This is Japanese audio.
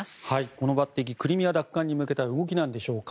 この抜てきクリミア奪還に向けた動きなんでしょうか。